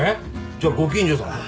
じゃご近所さんだ。